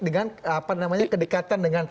dengan kedekatan dengan